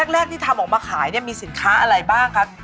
แรกที่ทำออกมาขายมีสินค้าอะไรบ้างค่ะ